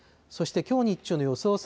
そしてきょう日中の予想